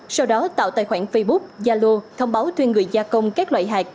sau đó tạo tài khoản facebook gia lô thông báo thuê người gia công các loại hạt